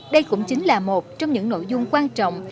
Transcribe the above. đây cũng chính là một trong những nội dung quan trọng